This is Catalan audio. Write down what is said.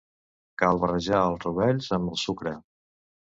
Cal barrejar els rovells amb el sucre.